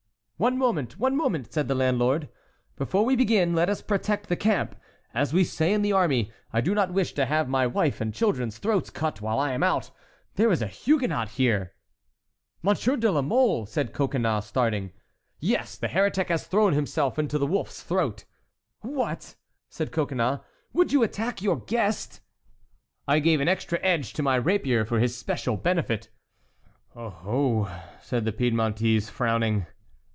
"One moment, one moment!" said the landlord. "Before we begin, let us protect the camp, as we say in the army. I do not wish to have my wife and children's throats cut while I am out. There is a Huguenot here." "Monsieur de la Mole!" said Coconnas, starting. "Yes, the heretic has thrown himself into the wolf's throat." "What!" said Coconnas, "would you attack your guest?" "I gave an extra edge to my rapier for his special benefit." "Oho!" said the Piedmontese, frowning.